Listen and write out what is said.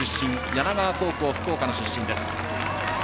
梁川高校、福岡の出身です。